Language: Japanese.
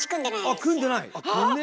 あ組んでない！